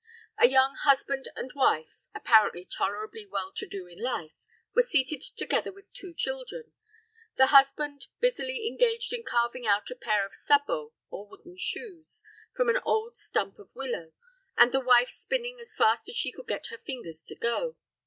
A young husband and wife, apparently tolerably well to do in life, were seated together with two children, the husband busily engaged in carving out a pair of sabots, or wooden shoes, from an old stump of willow, and the wife spinning as fast as she could get her fingers to go.